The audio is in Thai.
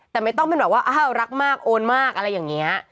แต่ไม่ต้องเป็นแบบว่าอ้าวรักมากโอนมากอะไรอย่างนี้